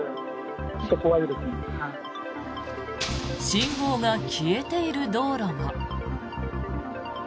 信号が消えている道路も。